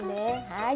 はい。